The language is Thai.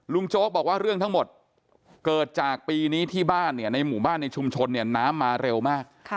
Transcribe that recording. โจ๊กบอกว่าเรื่องทั้งหมดเกิดจากปีนี้ที่บ้านเนี่ยในหมู่บ้านในชุมชนเนี่ยน้ำมาเร็วมาก